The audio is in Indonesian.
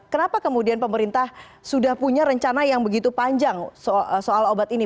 kenapa kemudian pemerintah sudah punya rencana yang begitu panjang soal obat ini